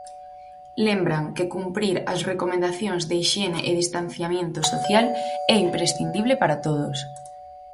Lembran que cumprir as recomendacións de hixiene e distanciamento social é imprescindible para todos.